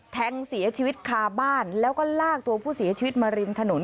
แทงเสียชีวิตคาบ้านแล้วก็ลากตัวผู้เสียชีวิตมาริมถนน